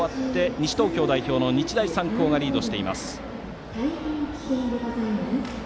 西東京代表の日大三高がリードしています。